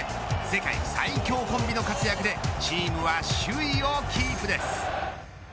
世界最強コンビの活躍でチームは首位をキープです。